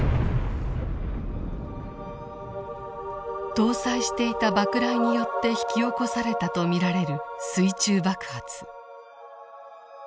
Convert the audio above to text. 搭載していた爆雷によって引き起こされたと見られる水中爆発。